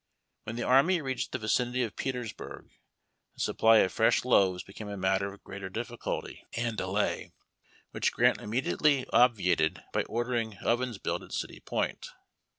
When the army reached the vicinity of Petersburg, the supply of fresh loaves became a matter of greater difficulty /li?.Vr BATIOXS. 121 and delay, whicli Grant immediately obviated by ordering ovens bnilt at City Point.